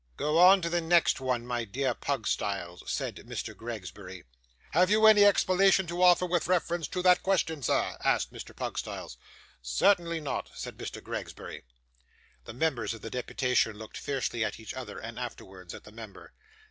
'Go on to the next one, my dear Pugstyles,' said Mr. Gregsbury. 'Have you any explanation to offer with reference to that question, sir?' asked Mr. Pugstyles. 'Certainly not,' said Mr. Gregsbury. The members of the deputation looked fiercely at each other, and afterwards at the member.